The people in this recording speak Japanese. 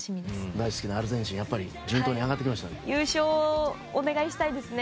大好きなアルゼンチン順当に上がってきましたね。